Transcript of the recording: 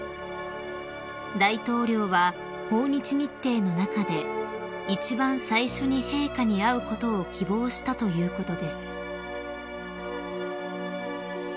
［大統領は訪日日程の中で一番最初に陛下に会うことを希望したということです］